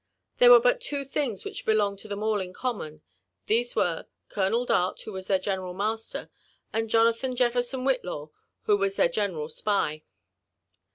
There were but two things which belonged to them all in eommon : these were, Colonel Part, who was their general master, and Xooatbaii 7efierso» Wbitlaw, who was their ge* neral spy.